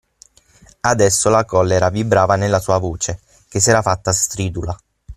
Adesso la collera vibrava nella sua voce, che s'era fatta stridula.